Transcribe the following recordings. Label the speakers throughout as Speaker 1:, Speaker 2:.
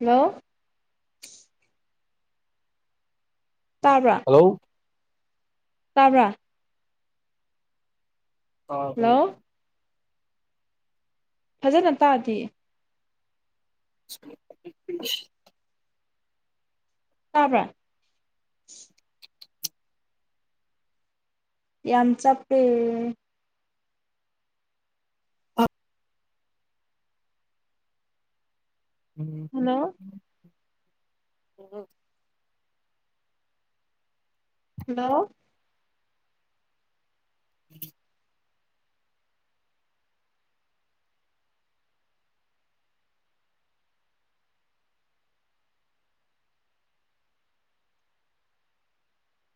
Speaker 1: hello ꯇꯥꯕ꯭ꯔꯥ
Speaker 2: hello
Speaker 1: ꯇꯕꯔꯥ
Speaker 2: ꯑꯥ ꯍ [unintelligible]
Speaker 1: ꯍꯜꯂꯣ ꯐꯖꯅ ꯇꯥꯗꯦ
Speaker 2: [unintelligible]
Speaker 1: ꯇꯥꯕ꯭ꯔ ꯌꯥꯝꯆꯥ ꯄꯦ
Speaker 2: ꯑ ꯎꯝ
Speaker 1: ꯍꯜꯂꯣ
Speaker 2: ꯎꯝ
Speaker 1: ꯍꯜꯂꯣ
Speaker 2: [inaudible]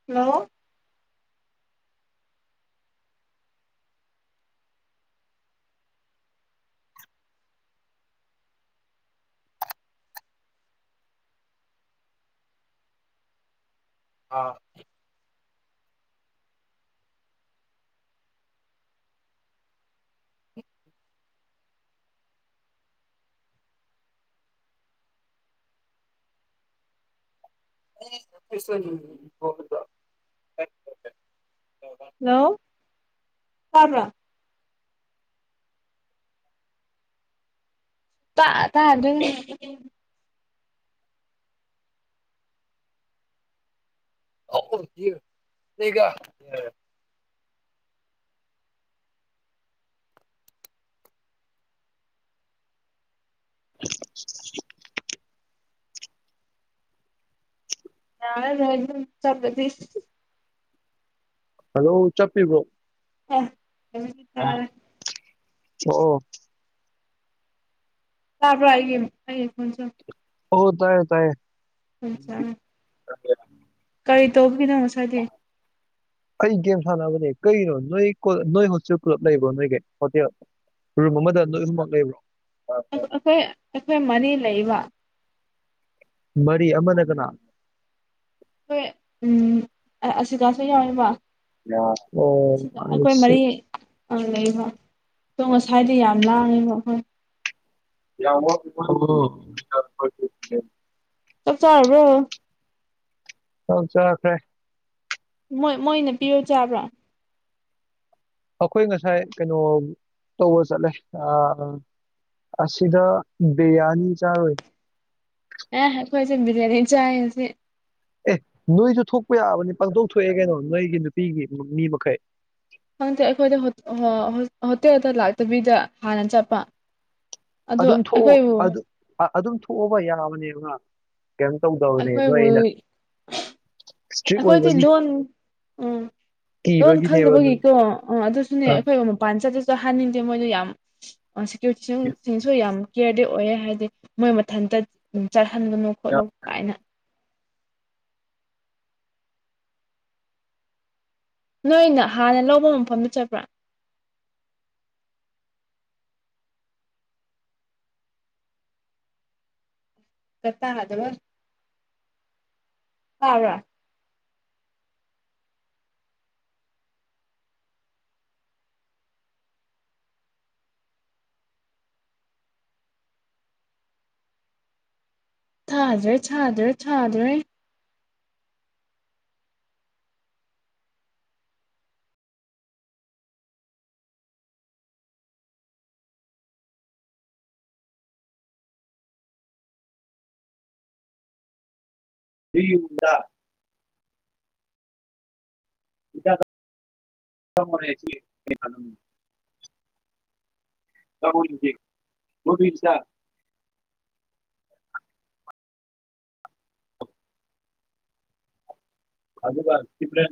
Speaker 1: ꯍꯜꯂꯣ
Speaker 2: ꯑꯥ [unintelligible]
Speaker 1: ꯍꯦꯜꯂꯣ ꯇꯥꯕꯔ꯭ ꯇꯥ ꯇꯥ ꯑꯗꯨ
Speaker 2: ꯑꯒ [unintelligible] [unintelligible]
Speaker 1: ꯌꯥꯥꯟꯝ ꯆꯗ ꯊꯁ [unintelligible]
Speaker 2: ꯍꯥꯜꯂꯣ ꯆꯞꯄꯤꯕ꯭ꯔꯣ
Speaker 1: ꯑ ꯇꯥꯔꯦ ꯇꯥꯔꯦ
Speaker 2: ꯑꯣ
Speaker 1: ꯇꯥꯕ꯭ꯔ ꯑꯏ ꯍꯥꯏ [unintelligible]
Speaker 2: ꯑꯣ ꯇꯥꯏꯌꯦ ꯇꯥꯏꯌꯦ
Speaker 1: ꯑꯆꯥ ꯀꯔꯤ ꯇꯧꯕꯈꯤꯗꯣ ꯉꯥꯁꯥꯏꯗꯩꯩ
Speaker 2: ꯑꯩ ꯒꯦꯝ ꯁꯥꯟꯅꯕꯅꯦ ꯀꯩꯅꯣ ꯅꯣꯏ ꯅꯣꯏ ꯍꯣꯠꯁꯨꯦꯜ ꯄꯨꯂꯞ ꯂꯩꯕ꯭ꯔꯣ ꯅꯣꯏꯒꯤ ꯍꯣꯇꯦꯜ ꯔꯨꯝ ꯑꯃꯗ ꯅꯣꯏ ꯑꯃꯛ ꯂꯩꯕ꯭ꯔꯣ
Speaker 1: ꯑꯩꯈꯣꯏ ꯑꯩꯈꯣꯏ ꯃꯔꯤ ꯂꯩꯕ
Speaker 2: ꯃꯔꯤ ꯑꯃꯅ ꯀꯅꯥ
Speaker 1: ꯍꯣꯏ ꯎꯝ ꯑꯁꯤꯒꯥꯁꯨ ꯌꯥꯎꯋꯤꯕ ꯑꯩꯈꯣꯏ ꯃꯔꯤ ꯂꯩꯕ꯭ꯔꯣ ꯑꯗꯣ ꯉꯁꯥꯏꯗꯤ ꯌꯥꯝ ꯂꯥꯡꯉꯤꯕ ꯑꯩꯈꯣꯏ
Speaker 2: ꯌꯥ [unintelligible]
Speaker 1: ꯆꯥꯛ ꯆꯥꯔꯔꯕꯣ
Speaker 2: ꯍ ꯆꯈ꯭ꯔꯦ
Speaker 1: ꯃꯣꯏ ꯃꯣꯏꯅ ꯄꯤꯔꯣ ꯆꯥꯕ꯭ꯔꯥ
Speaker 2: ꯑꯩꯈꯣꯏ ꯉꯁꯥꯏ ꯀꯩꯅꯣ ꯇꯧꯕ ꯆꯠꯂꯦ ꯑꯥ ꯑꯁꯤꯗ ꯕꯤꯌꯥꯅꯤ ꯆꯥꯔꯣꯏ
Speaker 1: ꯑꯦ ꯑꯩꯈꯣꯏꯁꯦ ꯕꯤꯔꯌꯥꯅꯤ ꯆꯥꯏꯌꯦ ꯉꯁꯤ
Speaker 2: ꯑꯦ ꯅꯣꯏꯁꯨ ꯊꯣꯛꯄ ꯌꯥꯕꯅꯤ ꯄꯥꯡꯊꯣꯛ ꯊꯣꯛꯑꯦ ꯀꯩꯅꯣ ꯅꯣꯏꯒꯤ ꯅꯨꯄꯤꯒꯤ ꯃꯤ ꯃꯈꯩ
Speaker 1: ꯈꯪꯗꯦ ꯑꯩꯈꯣꯏꯗ ꯍꯣꯇꯦꯜꯗ ꯂꯥꯛꯇꯕꯤꯗ ꯍꯥꯟꯅ ꯆꯠꯄ ꯑꯗꯨ
Speaker 2: ꯑꯗꯨꯝ ꯊꯣꯛꯑꯣ
Speaker 1: ꯑꯩꯈꯣꯏꯕꯨ
Speaker 2: ꯑꯗꯨ ꯑ ꯑꯗꯨꯝ ꯊꯣꯛꯑꯕ ꯌꯥꯕꯅꯦꯕ ꯀꯩꯅꯣꯝ ꯇꯧꯗꯕꯅꯦ ꯅꯣꯏ
Speaker 1: ꯑꯩꯈꯣꯏꯕꯨ
Speaker 2: ꯑꯩꯅ
Speaker 1: ꯑꯩꯈꯣꯏꯗꯤ ꯂꯣꯟꯣꯟ ꯎꯝ ꯂꯣꯟ
Speaker 2: ꯀꯤꯕꯒꯤꯅꯦꯕ ꯅꯣꯏ
Speaker 1: ꯈꯪꯗꯅꯕꯒꯤꯀꯣ ꯑ ꯑꯗꯨꯁꯨꯅꯦ
Speaker 2: ꯑ
Speaker 1: ꯑꯩꯈꯣꯏ ꯑꯣ ꯍꯅꯤꯡꯗꯦ ꯃꯣꯏꯅ ꯌꯥꯝ ꯁꯦꯀ꯭ꯌꯨꯔꯤꯇꯤꯁꯤꯡꯁꯨ ꯌꯥꯝ ꯀꯦꯌꯔꯗꯤ ꯑꯣꯏꯔꯦ ꯍꯥꯏꯗꯤ ꯃꯣꯏ ꯃꯊꯟꯇ ꯆꯠꯍꯟꯒꯅꯨ ꯈꯣꯠꯂꯣ ꯀꯥꯏꯅ ꯅꯣꯏꯅ ꯍꯥꯟꯅ ꯂꯧꯕ ꯃꯐꯝꯗ ꯆꯠꯄ꯭ꯔꯥ ꯆꯠꯇꯗꯕ ꯑ ꯋꯥ ꯊꯥꯖ꯭ꯔꯦ ꯊꯥꯖ꯭ꯔꯦ ꯊꯥꯖ꯭ꯔꯦ
Speaker 2: ꯌꯦꯗ ꯏ ꯃ ꯇꯔꯨꯖꯤ ꯃꯕꯤ ꯁꯥ ꯑꯖꯕꯄ꯭ꯔꯦ